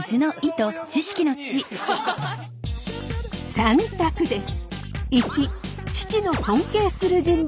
３択です。